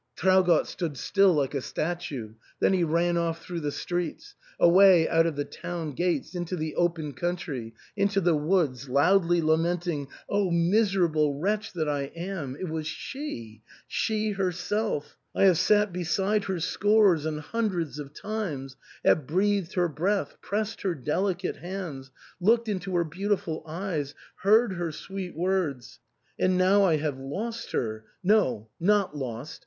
Traugott stood like a statue ; then he ran off through the streets — away out of the town gates — into the open country, into the woods, loudly lamenting, " Oh ! miserable wretch that I am ! It was she — she, herself ; I have sat beside her scores and hundreds of times — have breathed her breath — pressed her delicate hands — looked into her beautiful eyes — ^heard her sweet words — and now I have lost her ! No ; not lost.